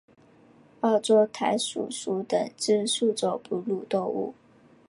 澳洲弹鼠属等之数种哺乳动物。